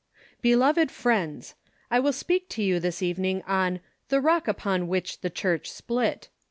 ) ELOVED FRIEXDS— I will speak to you this evening on " The Rock upon which ' The Church'' Split.''''